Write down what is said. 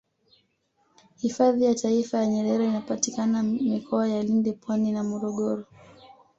hifadhi ya taifa ya nyerere inapatikana mikoa ya lindi pwani na morogoro